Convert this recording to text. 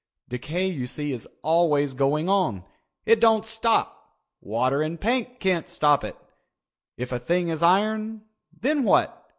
Decay you see is always going on. It doesn't stop. Water and paint can't stop it. If a thing is iron, then what?